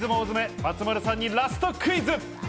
松丸さんにラストクイズ。